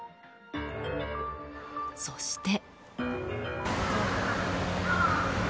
そして。